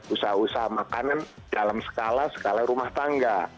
usaha usaha makanan dalam skala skala rumah tangga